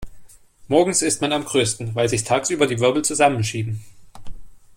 Morgens ist man am größten, weil sich tagsüber die Wirbel zusammenschieben.